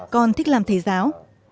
con thích làm thầy giáo